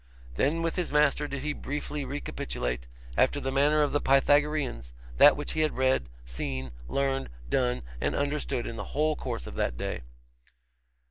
Then with his master did he briefly recapitulate, after the manner of the Pythagoreans, that which he had read, seen, learned, done, and understood in the whole course of that day.